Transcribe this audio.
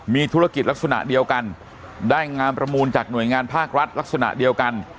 มีธุรกิจลักษณะเดียวกันได้งานประมูลจากหน่วยงานภาครัฐลักษณะเดียวกัน